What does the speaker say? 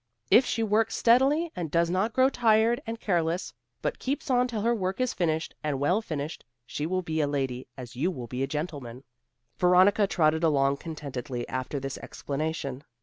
If she works steadily, and does not grow tired and careless, but keeps on till her work is finished and well finished, she will be a lady as you will be a gentleman." Veronica trotted along contentedly after this explanation.